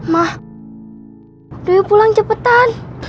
ma duyu pulang cepetan